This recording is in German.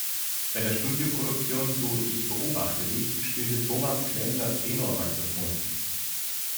Bei der Studioproduktion zu "Ich beobachte Dich" spielte Thomas Klemm das Tenorsaxophon.